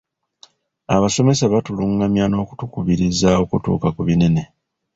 Abasomesa batulungamya n'okutukubiriza okutuuka ku binene.